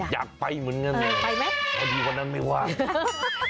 อยากไปเหมือนกันไงดีกว่านั้นไม่ว่าไปไหม